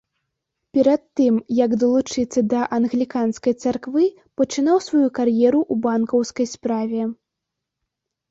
Перад тым, як далучыцца да англіканскай царквы, пачынаў сваю кар'еру ў банкаўскай справе.